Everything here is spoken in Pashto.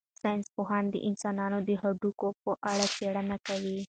ساینس پوهانو د انسانانو د هډوکو په اړه څېړنه کړې.